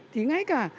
thì ngay cả